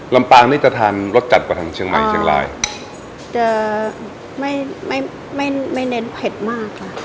ลำปางนี่จะทานรสจัดกว่าทางเชียงใหม่เชียงรายจะไม่ไม่ไม่เน้นเผ็ดมากค่ะ